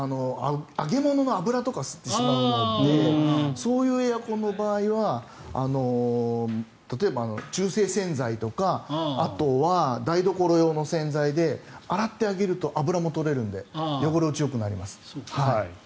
揚げ物の油とかを吸ってしまってそういうエアコンの場合は例えば、中性洗剤とかあとは台所用の洗剤で洗ってあげると油も取れるので汚れ落ちがよくなります。